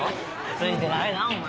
ついてないなお前。